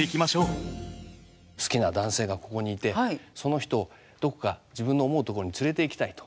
好きな男性がここにいてその人をどこか自分の思うとこに連れていきたいと。